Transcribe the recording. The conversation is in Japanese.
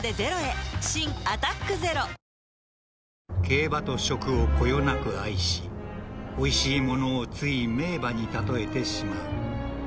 ［競馬と食をこよなく愛しおいしいものをつい名馬に例えてしまう］